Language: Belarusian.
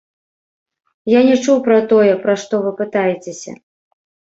Я не чуў пра тое, пра што вы пытаецеся.